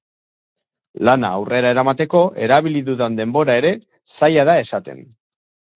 Lana aurrera eramateko erabili dudan denbora ere zaila da esaten.